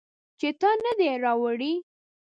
چې تا نه دي راوړي